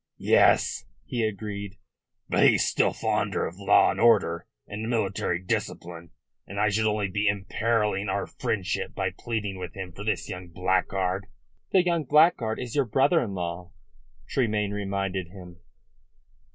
"Yes," he agreed. "But he's still fonder of law and order and military discipline, and I should only be imperilling our friendship by pleading with him for this young blackguard." "The young blackguard is your brother in law," Tremayne reminded him.